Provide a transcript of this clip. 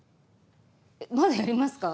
まだやりますか？